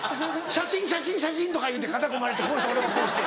「写真写真写真」とか言うて肩組まれて俺もこうして。